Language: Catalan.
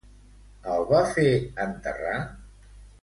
El va fer enterrar?